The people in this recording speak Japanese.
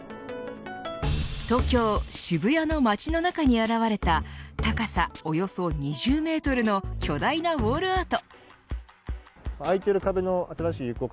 東京、渋谷の街の中に現れた高さおよそ２０メートルの巨大なウォールアート。